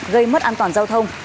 gây mất an toàn giao thông